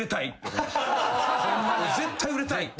絶対売れたい！